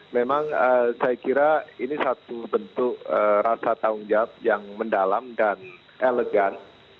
memang saya kira ini satu bentuk rasa tanggung jawab yang mendalam dan elegan